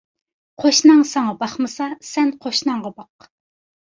قوشناڭ ساڭا باقمىسا، سەن قوشناڭغا باق.